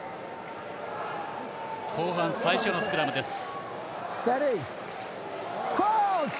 後半、最初のスクラムです。